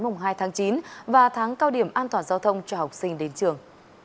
mùng hai tháng chín và tháng cao điểm an toàn giao thông cho học sinh đến trường